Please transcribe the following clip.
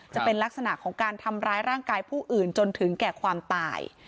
จะเป็นลักษณะของการทำร้ายร่างกายผู้อื่นจนถึงแก่ความตาย